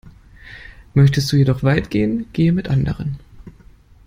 Möchtest du jedoch weit gehen, gehe mit anderen.